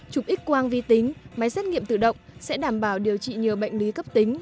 chụp x quang vi tính máy xét nghiệm tự động sẽ đảm bảo điều trị nhiều bệnh lý cấp tính